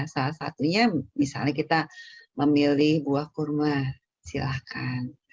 salah satunya misalnya kita memilih buah kurma silahkan